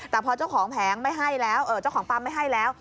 แต่พอเจ้าของแผงไม่ให้แล้วเจ้าของปั๊มไม่ให้แล้ว